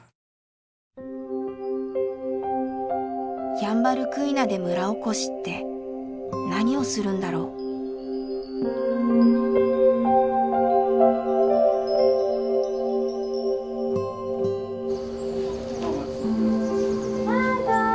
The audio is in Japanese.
ヤンバルクイナで村おこしって何をするんだろう。わかわいい！